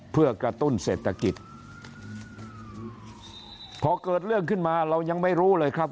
เพื่อกระตุ้นเศรษฐกิจพอเกิดเรื่องขึ้นมาเรายังไม่รู้เลยครับ